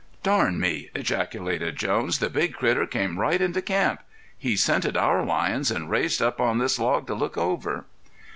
"Darn me!" ejaculated Jones. "The big critter came right into camp; he scented our lions, and raised up on this log to look over."